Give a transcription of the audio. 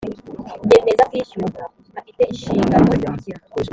nyemezabwishyu afite inshingano zikurikira